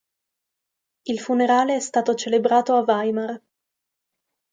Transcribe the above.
Il funerale è stato celebrato a Weimar.